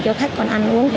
để cho khách còn ăn uống